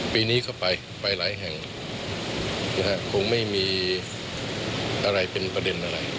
ปีนี้ก็ไปไปหลายแห่งคงไม่มีอะไรเป็นประเด็นอะไร